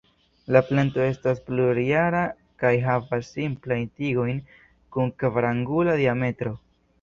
La planto estas plurjara kaj havas simplajn tigojn kun kvarangula diametro.